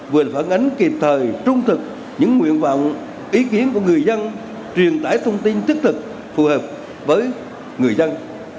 vừa là phản ánh kịp thời trung thực những nguyện vọng ý kiến của người dân truyền tải thông tin thích thực phù hợp với người dân